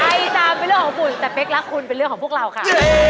ตามเป็นเรื่องของคุณแต่เป๊กรักคุณเป็นเรื่องของพวกเราค่ะ